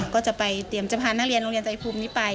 ก็จะไปเตรียมจะพานักเรียนโรงเรียนไตรภูมินี้ไป